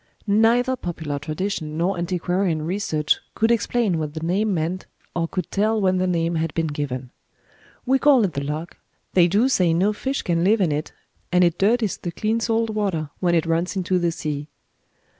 Neither popular tradition nor antiquarian research could explain what the name meant, or could tell when the name had been given. "We call it The Loke; they do say no fish can live in it; and it dirties the clean salt water when it runs into the sea."